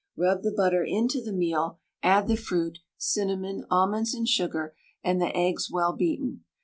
Rub the butter into the meal, add the fruit, cinnamon, almonds and sugar, and the eggs well beaten.